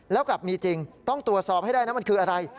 แล้วกลับมีจริงต้องตรวจสอบให้ได้นะมันคืออะไร